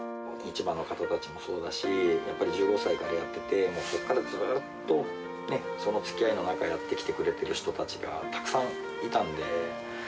市場の方たちもそうだし、やっぱり１５歳からやってて、そこからずっと、そのつきあいの中、やってきてくれてる人たちがたくさんいたんで。